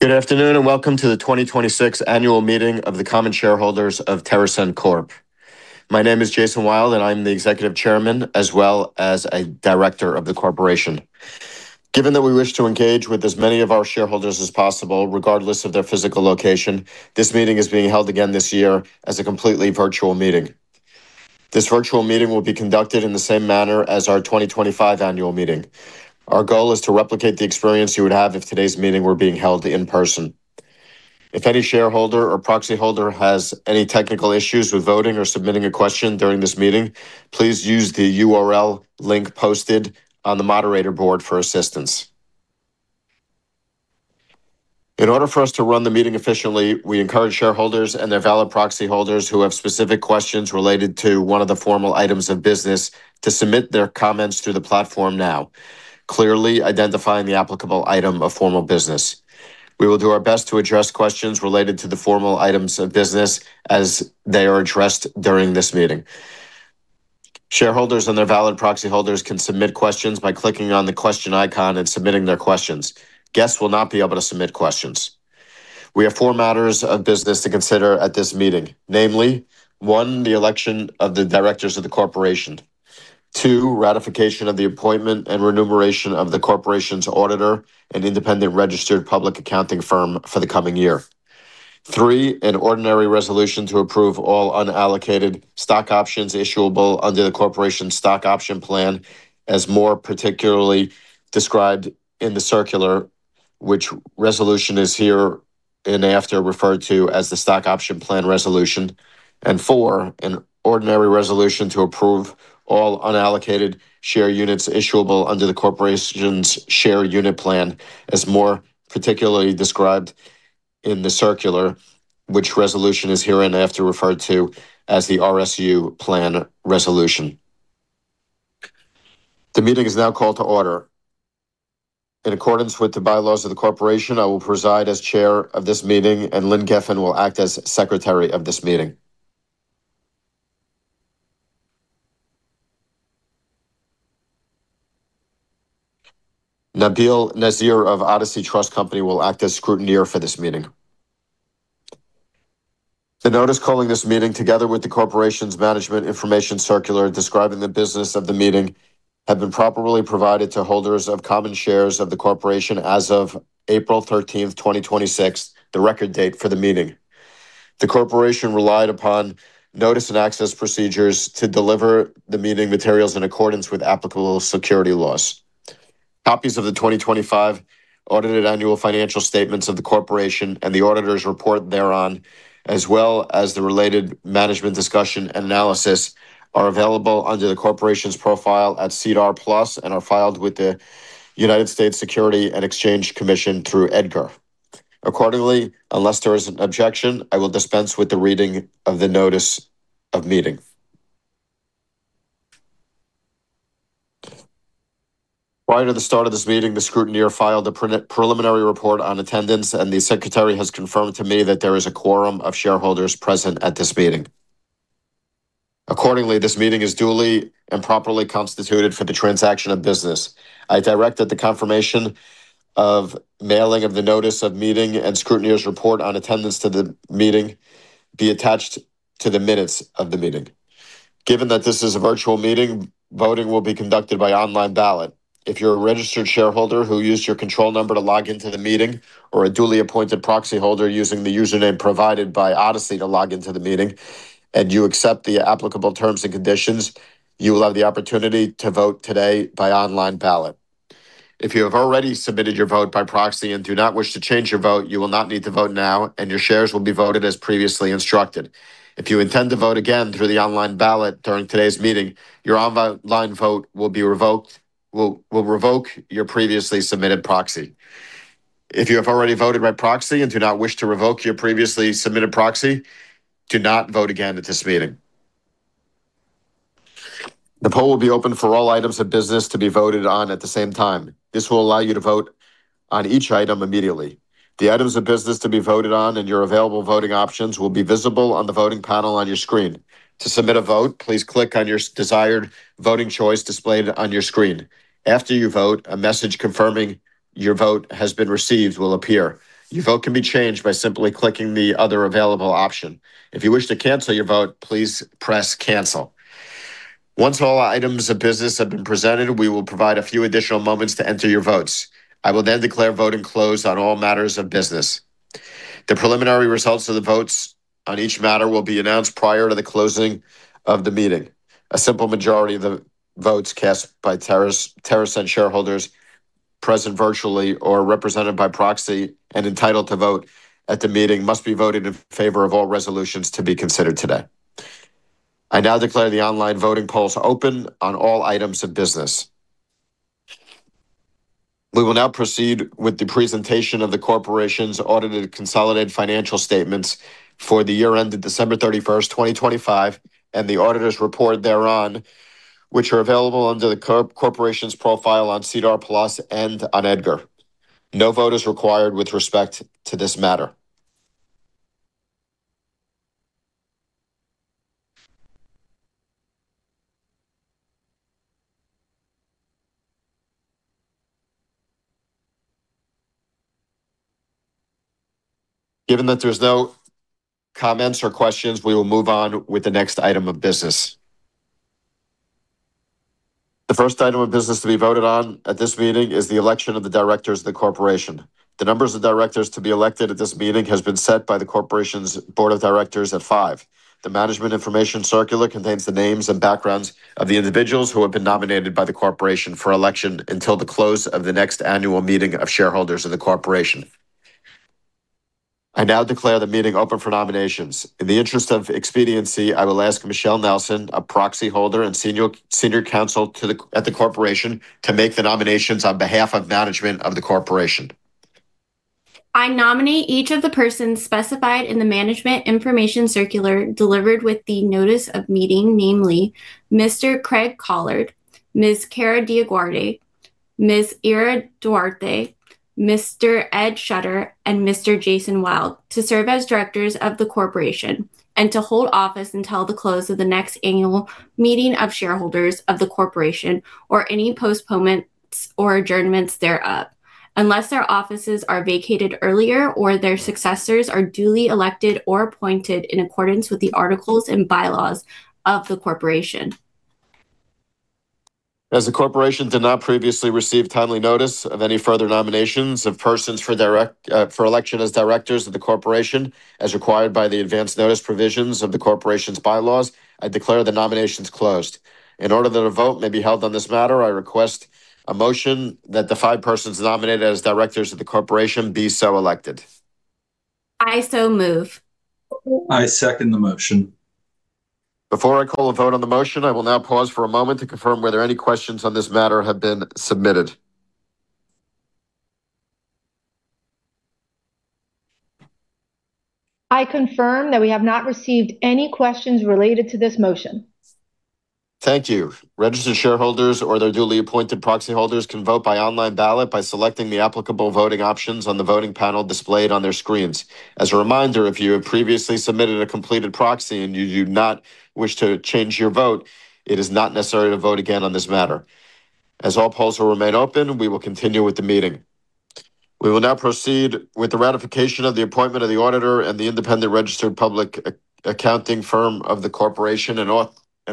Good afternoon, welcome to the 2026 annual meeting of the common shareholders of TerrAscend Corp. My name is Jason Wild, I'm the Executive Chairman as well as a Director of the Corporation. Given that we wish to engage with as many of our shareholders as possible, regardless of their physical location, this meeting is being held again this year as a completely virtual meeting. This virtual meeting will be conducted in the same manner as our 2025 annual meeting. Our goal is to replicate the experience you would have if today's meeting were being held in person. If any shareholder or proxy holder has any technical issues with voting or submitting a question during this meeting, please use the URL link posted on the moderator board for assistance. In order for us to run the meeting efficiently, we encourage shareholders and their valid proxy holders who have specific questions related to one of the formal items of business to submit their comments through the platform now, clearly identifying the applicable item of formal business. We will do our best to address questions related to the formal items of business as they are addressed during this meeting. Shareholders and their valid proxy holders can submit questions by clicking on the question icon and submitting their questions. Guests will not be able to submit questions. We have four matters of business to consider at this meeting, namely, one, the election of the directors of the corporation. Two, ratification of the appointment and remuneration of the corporation's auditor and independent registered public accounting firm for the coming year. Three, an ordinary resolution to approve all unallocated stock options issuable under the corporation's stock option plan as more particularly described in the circular, which resolution is hereinafter referred to as the stock option plan resolution. Four, an ordinary resolution to approve all unallocated share units issuable under the corporation's share unit plan as more particularly described in the circular, which resolution is hereinafter referred to as the RSU plan resolution. The meeting is now called to order. In accordance with the bylaws of the corporation, I will preside as chair of this meeting, and Lynn Gefen will act as secretary of this meeting. Nabil Nasir of Odyssey Trust Company will act as scrutineer for this meeting. The notice calling this meeting together with the corporation's management information circular describing the business of the meeting have been properly provided to holders of common shares of the corporation as of April 13th, 2026, the record date for the meeting. The corporation relied upon notice and access procedures to deliver the meeting materials in accordance with applicable security laws. Copies of the 2025 audited annual financial statements of the corporation and the auditor's report thereon, as well as the related management discussion and analysis, are available under the corporation's profile at SEDAR+ and are filed with the United States Securities and Exchange Commission through EDGAR. Accordingly, unless there is an objection, I will dispense with the reading of the notice of meeting. Prior to the start of this meeting, the scrutineer filed a preliminary report on attendance, the secretary has confirmed to me that there is a quorum of shareholders present at this meeting. Accordingly, this meeting is duly and properly constituted for the transaction of business. I direct that the confirmation of mailing of the notice of meeting and scrutineer's report on attendance to the meeting be attached to the minutes of the meeting. Given that this is a virtual meeting, voting will be conducted by online ballot. If you're a registered shareholder who used your control number to log into the meeting, or a duly appointed proxy holder using the username provided by Odyssey to log into the meeting and you accept the applicable terms and conditions, you will have the opportunity to vote today by online ballot. If you have already submitted your vote by proxy and do not wish to change your vote, you will not need to vote now, your shares will be voted as previously instructed. If you intend to vote again through the online ballot during today's meeting, your online vote will revoke your previously submitted proxy. If you have already voted by proxy and do not wish to revoke your previously submitted proxy, do not vote again at this meeting. The poll will be open for all items of business to be voted on at the same time. This will allow you to vote on each item immediately. The items of business to be voted on and your available voting options will be visible on the voting panel on your screen. To submit a vote, please click on your desired voting choice displayed on your screen. After you vote, a message confirming your vote has been received will appear. Your vote can be changed by simply clicking the other available option. If you wish to cancel your vote, please press Cancel. Once all items of business have been presented, we will provide a few additional moments to enter your votes. I will then declare voting closed on all matters of business. The preliminary results of the votes on each matter will be announced prior to the closing of the meeting. A simple majority of the votes cast by TerrAscend shareholders present virtually or represented by proxy and entitled to vote at the meeting must be voted in favor of all resolutions to be considered today. I now declare the online voting polls open on all items of business. We will now proceed with the presentation of the corporation's audited consolidated financial statements for the year ended December 31st, 2025, the auditor's report thereon, which are available under the corporation's profile on SEDAR+ and on EDGAR. No vote is required with respect to this matter. Given that there's no comments or questions, we will move on with the next item of business. The first item of business to be voted on at this meeting is the election of the directors of the corporation. The numbers of directors to be elected at this meeting has been set by the corporation's board of directors at 5. The management information circular contains the names and backgrounds of the individuals who have been nominated by the corporation for election until the close of the next annual meeting of shareholders of the corporation. I now declare the meeting open for nominations. In the interest of expediency, I will ask Michelle Nelson, a proxy holder and senior counsel at the corporation, to make the nominations on behalf of management of the corporation. I nominate each of the persons specified in the management information circular delivered with the notice of meeting, namely Mr. Craig Collard, Ms. Kara DioGuardi, Ms. Ira Duarte, Mr. Ed Schutter, and Mr. Jason Wild to serve as directors of the corporation and to hold office until the close of the next annual meeting of shareholders of the corporation or any postponements or adjournments thereof, unless their offices are vacated earlier or their successors are duly elected or appointed in accordance with the articles and bylaws of the corporation. As the corporation did not previously receive timely notice of any further nominations of persons for election as directors of the corporation as required by the advance notice provisions of the corporation's bylaws, I declare the nominations closed. In order that a vote may be held on this matter, I request a motion that the five persons nominated as directors of the corporation be so elected. I so move. I second the motion. Before I call a vote on the motion, I will now pause for a moment to confirm whether any questions on this matter have been submitted. I confirm that we have not received any questions related to this motion. Thank you. Registered shareholders or their duly appointed proxy holders can vote by online ballot by selecting the applicable voting options on the voting panel displayed on their screens. As a reminder, if you have previously submitted a completed proxy and you do not wish to change your vote, it is not necessary to vote again on this matter. As all polls will remain open, we will continue with the meeting. We will now proceed with the ratification of the appointment of the auditor and the independent registered public accounting firm of the corporation, and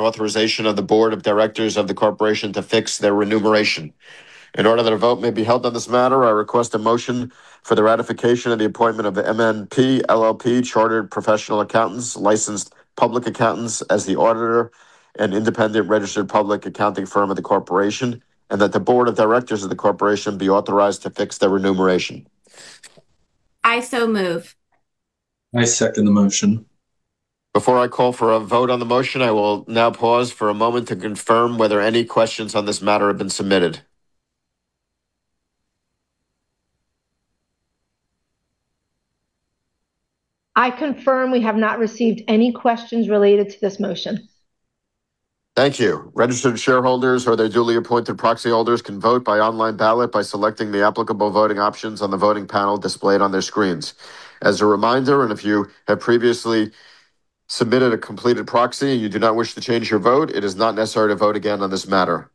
authorization of the Board of Directors of the corporation to fix their remuneration. In order that a vote may be held on this matter, I request a motion for the ratification of the appointment of MNP LLP Chartered Professional Accountants, licensed public accountants as the auditor and independent registered public accounting firm of the corporation, and that the Board of Directors of the corporation be authorized to fix their remuneration. I so move. I second the motion. Before I call for a vote on the motion, I will now pause for a moment to confirm whether any questions on this matter have been submitted. I confirm we have not received any questions related to this motion. Thank you. Registered shareholders or their duly appointed proxy holders can vote by online ballot by selecting the applicable voting options on the voting panel displayed on their screens. As a reminder, and if you have previously submitted a completed proxy and you do not wish to change your vote, it is not necessary to vote again on this matter.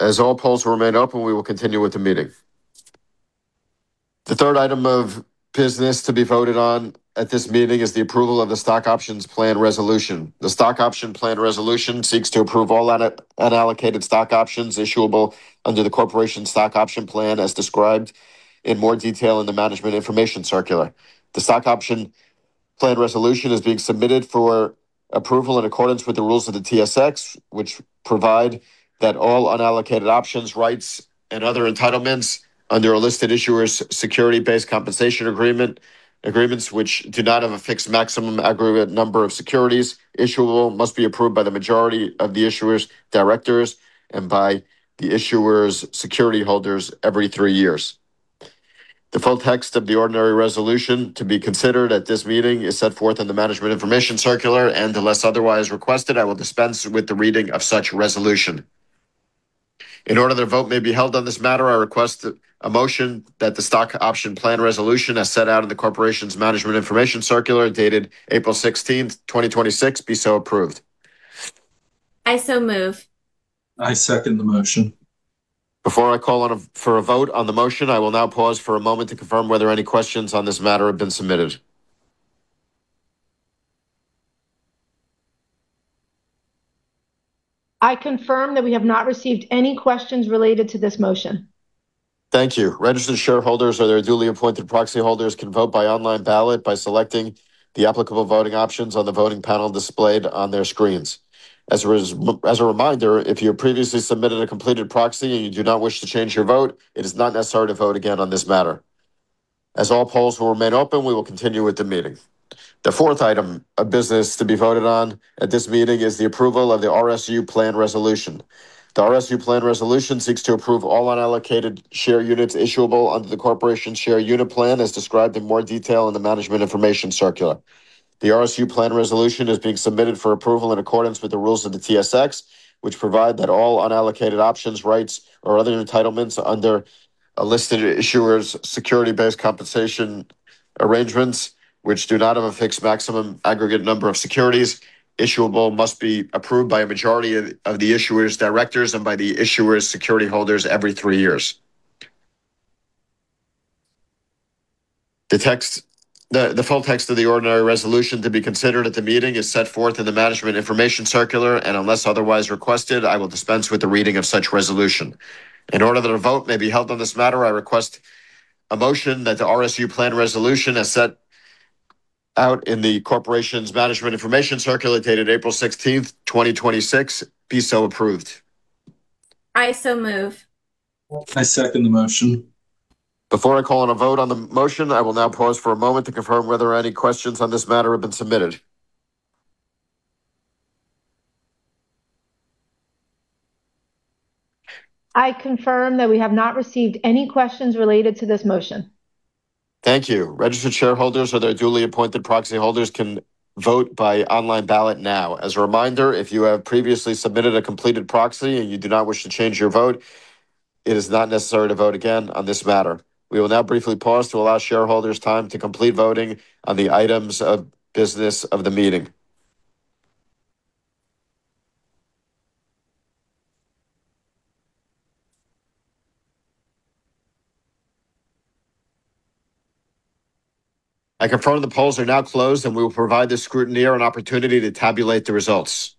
As all polls will remain open, we will continue with the meeting. The third item of business to be voted on at this meeting is the approval of the Stock Options Plan Resolution. The Stock Option Plan Resolution seeks to approve all unallocated stock options issuable under the Corporation Stock Option Plan, as described in more detail in the management information circular. The stock option plan resolution is being submitted for approval in accordance with the rules of the TSX, which provide that all unallocated options, rights, and other entitlements under a listed issuer's security-based compensation agreements which do not have a fixed maximum aggregate number of securities issuer must be approved by the majority of the issuer's directors and by the issuer's security holders every three years. The full text of the ordinary resolution to be considered at this meeting is set forth in the management information circular, and unless otherwise requested, I will dispense with the reading of such resolution. In order that a vote may be held on this matter, I request a motion that the stock option plan resolution, as set out in the corporation's management information circular dated April 16th, 2026, be so approved. I so move. I second the motion. Before I call for a vote on the motion, I will now pause for a moment to confirm whether any questions on this matter have been submitted. I confirm that we have not received any questions related to this motion. Thank you. Registered shareholders or their duly appointed proxy holders can vote by online ballot by selecting the applicable voting options on the voting panel displayed on their screens. As a reminder, if you have previously submitted a completed proxy and you do not wish to change your vote, it is not necessary to vote again on this matter. As all polls will remain open, we will continue with the meeting. The fourth item of business to be voted on at this meeting is the approval of the RSU plan resolution. The RSU plan resolution seeks to approve all unallocated share units issuable under the corporation's share unit plan as described in more detail in the management information circular. The RSU plan resolution is being submitted for approval in accordance with the rules of the TSX, which provide that all unallocated options, rights, or other entitlements under a listed issuer's security-based compensation arrangements which do not have a fixed maximum aggregate number of securities issuable must be approved by a majority of the issuer's directors and by the issuer's security holders every three years. Unless otherwise requested, I will dispense with the reading of such resolution. In order that a vote may be held on this matter, I request a motion that the RSU plan resolution, as set out in the corporation's management information circular, dated April 16th, 2026, be so approved. I so move. I second the motion. Before I call in a vote on the motion, I will now pause for a moment to confirm whether any questions on this matter have been submitted. I confirm that we have not received any questions related to this motion. Thank you. Registered shareholders or their duly appointed proxy holders can vote by online ballot now. As a reminder, if you have previously submitted a completed proxy and you do not wish to change your vote, it is not necessary to vote again on this matter. We will now briefly pause to allow shareholders time to complete voting on the items of business of the meeting. I confirm the polls are now closed, and we will provide the scrutineer an opportunity to tabulate the results.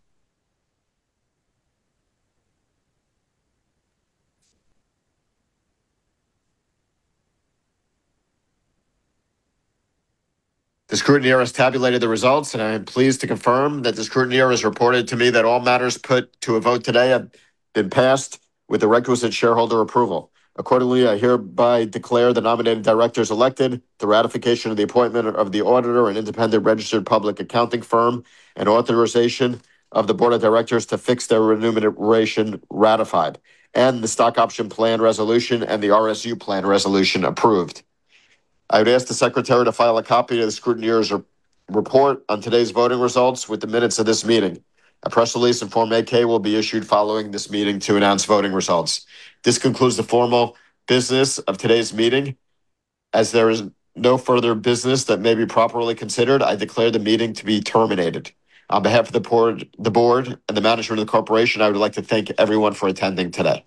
The scrutineer has tabulated the results, and I am pleased to confirm that the scrutineer has reported to me that all matters put to a vote today have been passed with the requisite shareholder approval. Accordingly, I hereby declare the nominated directors elected, the ratification of the appointment of the auditor and independent registered public accounting firm, and authorization of the board of directors to fix their remuneration ratified, and the stock option plan resolution and the RSU plan resolution approved. I would ask the secretary to file a copy of the scrutineer's report on today's voting results with the minutes of this meeting. A press release and Form 8-K will be issued following this meeting to announce voting results. This concludes the formal business of today's meeting. As there is no further business that may be properly considered, I declare the meeting to be terminated. On behalf of the board and the management of the corporation, I would like to thank everyone for attending today